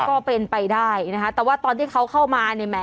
ก็เป็นไปได้แต่ว่าตอนที่เขาเข้ามา